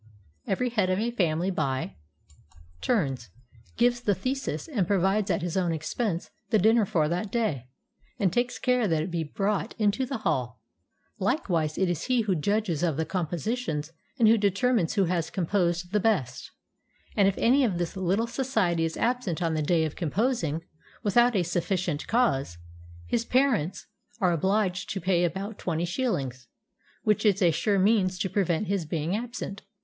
Every head of a family by turns gives the thesis and provides at his own expense the dinner for that day, and takes care that it be brought into the hall. Likewise it is he who judges of the com positions and who determines who has composed the best, and if any of this little society is absent on the day of composing, without a sufficient cause, his parents are obliged to pay about twenty shilhngs, which is a sure means to prevent his being absent.